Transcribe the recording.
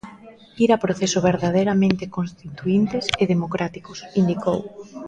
"Ir a proceso verdadeiramente constituíntes e democráticos", indicou.